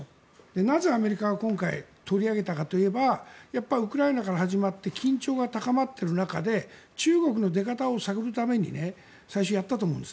なぜ、アメリカが今回取り上げたかといえばウクライナから始まって緊張が高まっている中で中国の出方を探るために最初やったと思うんです。